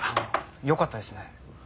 よかったですね。